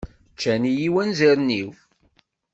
Ččan-iyi wanzaren-iw.